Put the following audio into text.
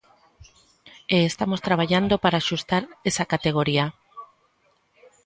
E estamos traballando para axustar esa categoría.